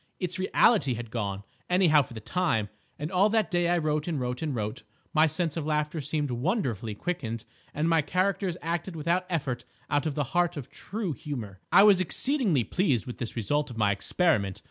Its reality had gone, anyhow for the time, and all that day I wrote and wrote and wrote. My sense of laughter seemed wonderfully quickened and my characters acted without effort out of the heart of true humour. I was exceedingly pleased with this result of my experiment.